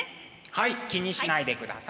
はい気にしないでください。